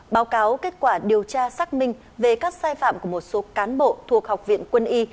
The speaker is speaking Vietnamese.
báo cáo kết quả điều tra xác minh về các sai phạm của một số cán bộ thuộc học viện quân y